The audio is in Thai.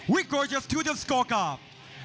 วิกรอยเจอร์สตูเดิมสโกรธกราฟ